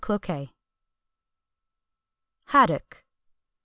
CLOQUET. HADDOCK.